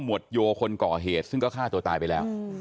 วดโยคนก่อเหตุซึ่งก็ฆ่าตัวตายไปแล้ว